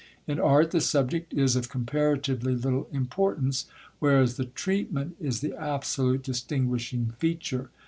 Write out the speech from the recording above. In art, the subject is of comparatively little importance, whereas the treatment is the absolute distinguishing feature.